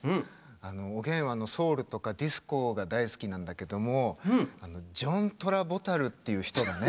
おげんはソウルとかディスコが大好きなんだけどもジョン・トラボタルっていう人がね。